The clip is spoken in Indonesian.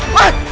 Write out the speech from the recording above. tuh apaan tuh